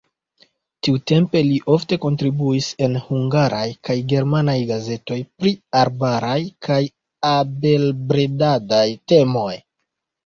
Tiutempe li ofte kontribuis en hungaraj kaj germanaj gazetoj pri arbaraj kaj abelbredadaj temoj.